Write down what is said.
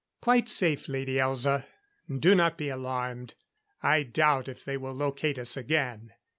"Quite safe, Lady Elza. Do not be alarmed. I doubt if they will locate us again.